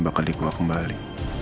bakal dikuah kembali